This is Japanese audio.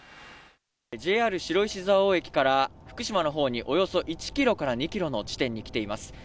ＪＲ白石蔵王駅から福島のほうにおよそ１キロから２キロの地点に来ています。